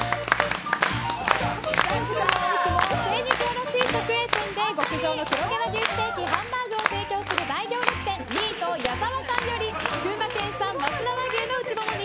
本日のお肉も精肉卸直営店で極上の黒毛和牛ステーキハンバーグを提供する大行列店ミート矢澤さんより群馬県産増田和牛の内モモ肉